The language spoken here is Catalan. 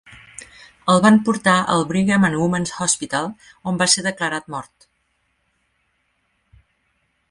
El van portar al Brigham and Women's Hospital, on va ser declarat mort.